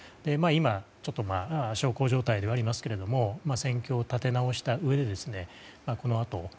今、ちょっと小康状態ではいますが戦況を立て直したうえでこのあと